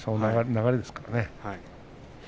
流れですからね。